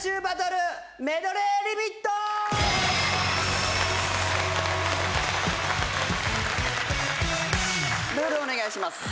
ルールお願いします。